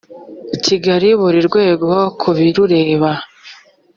kigali buri rwego ku birureba